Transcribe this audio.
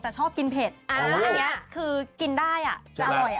แต่ชอบกินเผ็ดอ๋ออย่างเนี้ยคือกินได้อ่ะใช่อร่อย